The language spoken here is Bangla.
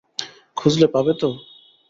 খুঁজলে পাবে তো?